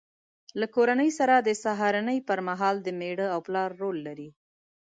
له کورنۍ سره د سهارنۍ پر مهال د مېړه او پلار رول لري.